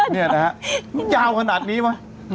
เนี่ยนะฮะยาวขนาดนี้วะ